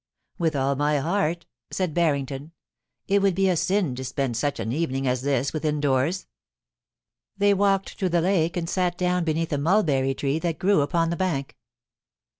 * With all my heart,' said Barrington ;* it would be a sin to spend such an evening as this within doors.' They walked to the lake and sat down beneath a mulberry tree that grew upon the bank.